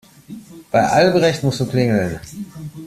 Bei Albrecht musst du klingeln.